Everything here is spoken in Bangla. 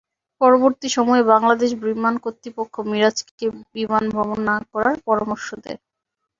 পরবর্তী সময়ে বাংলাদেশ বিমান কর্তৃপক্ষ মিরাজকে বিমান ভ্রমণ না করার পরামর্শ দেয়।